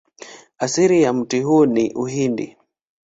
Asili ya mti huu ni Uhindi.